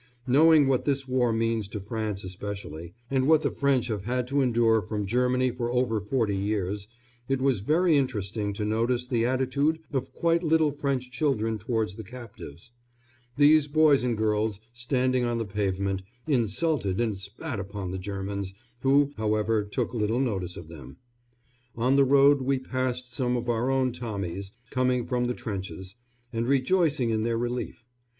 Knowing what this war means to France especially, and what the French have had to endure from Germany for over forty years, it was very interesting to notice the attitude of quite little French children towards the captives. These boys and girls, standing on the pavement, insulted and spat upon the Germans, who, however, took little notice of them. On the road we passed some of our own Tommies, coming from the trenches, and rejoicing in their relief.